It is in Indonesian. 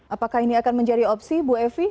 apakah ini akan menjadi opsi bu evi